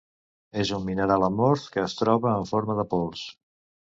És un mineral amorf que es troba en forma de pols.